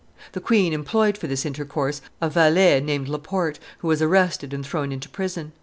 The queen employed for this intercourse a valet named Laporte, who was arrested and thrown into prison.